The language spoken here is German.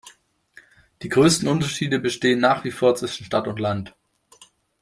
Die größten Unterschiede bestehen nach wie vor zwischen Stadt und Land.